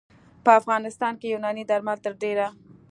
په افغانستان کې یوناني درمل تر ډېره